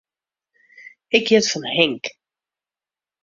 Ik hjit fan Henk.